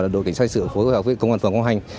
đội cảnh sát hình sự phối hợp với công an phòng công hành